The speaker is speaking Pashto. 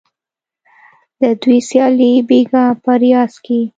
د دوی سیالي بیګا په ریاض کې